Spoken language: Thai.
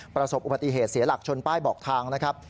ประสบอุบัติเหตุเสียหลักชนป้ายบอกทางนะครับ